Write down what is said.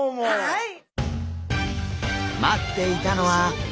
はい。